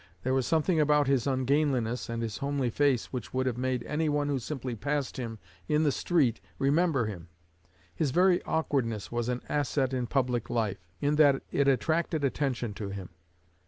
There was something about his ungainliness and his homely face which would have made anyone who simply passed him in the street remember him. His very awkwardness was an asset in public life, in that it attracted attention to him.